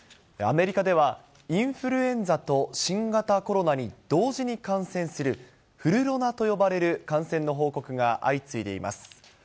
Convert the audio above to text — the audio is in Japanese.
アメリカでは、インフルエンザと新型コロナに同時に感染する、フルロナと呼ばれる感染の報告が相次いでいます。